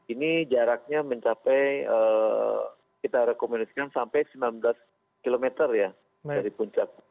ini jaraknya mencapai kita rekomendasikan sampai sembilan belas km ya dari puncak